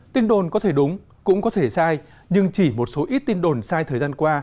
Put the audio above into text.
tin đồn có thể đúng cũng có thể sai nhưng chỉ một số ít tin đồn sai thời gian qua